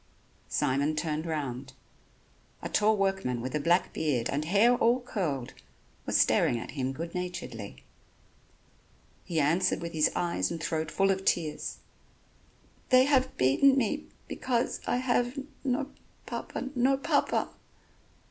Simon turned round. A tall workman with a black beard and hair all curled, was staring at him good naturedly. He answered with his eyes and throat full of tears: "They have beaten me ... because ... I ... have no ... Papa ... no Papa."